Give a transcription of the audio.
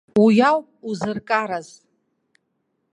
Уи ауп узыркараз.